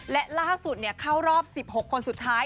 และล่าสุดเข้ารอบ๑๖คนสุดท้าย